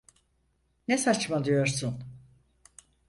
Ne saçmalıyorsun?